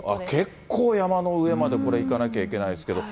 結構、山のほうまで、これ行かなきゃいけないですけど。